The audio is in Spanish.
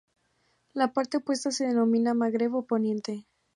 La parte opuesta se denomina Magreb o Poniente.